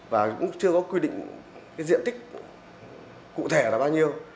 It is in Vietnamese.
và cũng chưa có quy định cái diện tích cụ thể là bao nhiêu